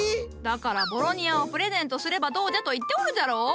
だからボロニアをプレゼントすればどうじゃと言っておるじゃろ？